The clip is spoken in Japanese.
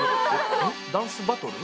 ダンスバトル？